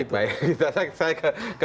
baik baik saya ke